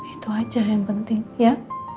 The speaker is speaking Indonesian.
itu aja yang penting ya